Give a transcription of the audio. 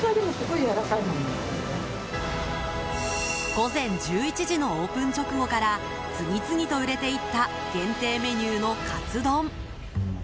午前１１時のオープン直後から次々と売れていった限定メニューの、かつ丼。